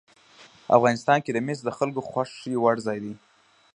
افغانستان کې مس د خلکو د خوښې وړ ځای دی.